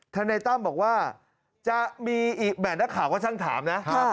ธนัยตั้มบอกว่าแบบนักข่าวก็ช่างถามนะ